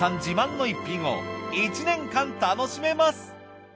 自慢の逸品を１年間楽しめます！